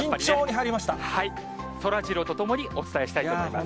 そらジローと共にお伝えしたいと思います。